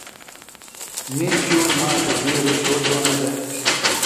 می شُور ما تھےۡ بِیڈوۡ شو جھونہ دےۡ